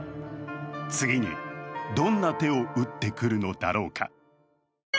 次にどんな手を打ってくるのだろうか。